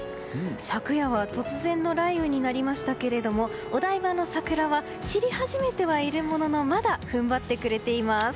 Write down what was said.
昨夜は突然の雷雨になりましたけれどもお台場の桜は散り始めてはいるもののまだ踏ん張ってくれています。